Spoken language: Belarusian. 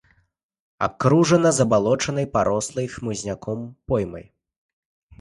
Акружана забалочанай, парослай хмызняком поймай.